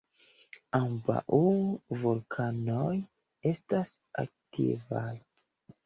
Ambaŭ vulkanoj estas aktivaj.